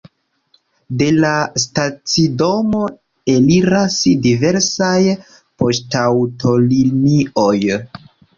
De la stacidomo eliras diversaj poŝtaŭtolinioj.